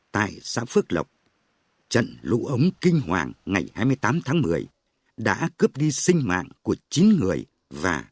tại xã phước lộc trận lũ ống kinh hoàng ngày hai mươi tám tháng một mươi đã cướp đi sinh mạng của chín người và bốn người bất tích